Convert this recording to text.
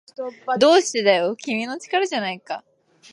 どうしてだよ、君の力じゃないか